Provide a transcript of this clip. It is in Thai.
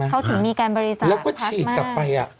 เขาถึงมีการบริจาคพลาสมากมายแล้วก็ฉีดกลับไป